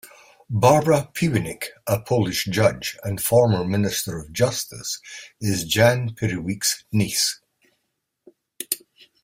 Barbara Piwnik, a Polish judge and former minister of justice, is Jan Piwnik's niece.